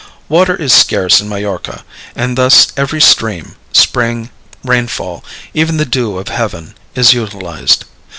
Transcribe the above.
Water is scarce in Majorca, and thus every stream, spring, rainfall, even the dew of heaven, is utilized.